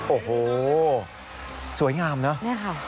โอ้โฮสวยงามเนอะ